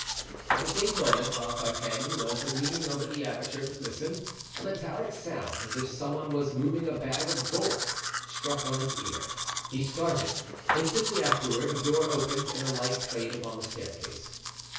At the same moment, whilst D'Artagnan was leaning over the aperture to listen, a metallic sound, as if some one was moving a bag of gold, struck on his ear; he started; instantly afterward a door opened and a light played upon the staircase.